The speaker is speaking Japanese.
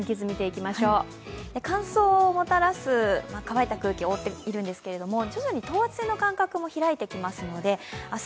乾燥をもたらす乾いた空気が覆っているんですけれども、徐々に等圧線の間隔も開いてきますので明日